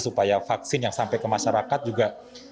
supaya vaksin yang sampai ke masyarakat juga